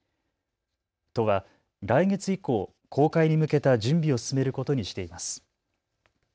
都は来月以降、公開に向けた準備を進めることにしています。